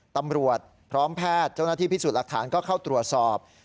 ตำรวจพร้อมแพทย์เจ้าหน้าที่พิสูจน์หลักฐานก็เข้าตรวจสอบ